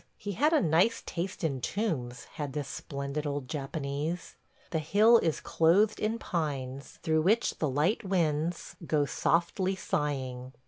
He had a nice taste in tombs, had this splendid old Japanese. The hill is clothed in pines, through which the light winds go softly sighing.